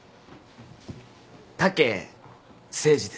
武誠治です。